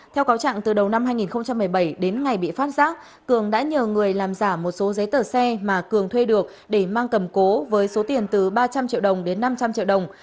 theo cáo trạng từ đầu năm hai nghìn một mươi bảy đến ngày bị phát giác cường đã nhờ người làm giả một số giấy tờ xe mà cường thuê được để mang cầm cố với số tiền từ ba trăm linh triệu đồng đến năm trăm linh triệu đồng